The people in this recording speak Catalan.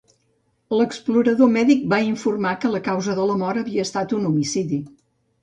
L'explorador mèdic va informar que la causa de mort havia estat un homicidi.